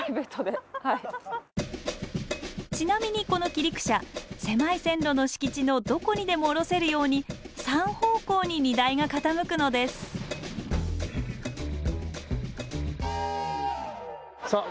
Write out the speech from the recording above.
ちなみにこの軌陸車狭い線路の敷地のどこにでも下ろせるように３方向に荷台が傾くのですさあ